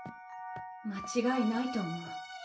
間違いないと思う。